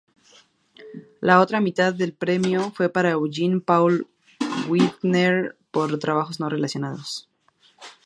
La otra mitad del premio fue para Eugene Paul Wigner por trabajos no relacionados.